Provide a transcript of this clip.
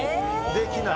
できない